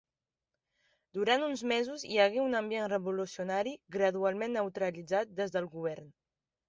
Durant uns mesos hi hagué un ambient revolucionari, gradualment neutralitzat des del govern.